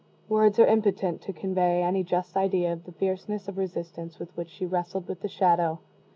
Words are impotent to convey any just idea of the fierceness of resistance with which she wrestled with the Shadow.